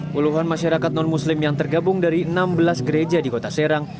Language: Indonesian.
puluhan masyarakat non muslim yang tergabung dari enam belas gereja di kota serang